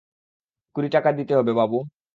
কুড়ি টাকা দিতে হবে বাবু।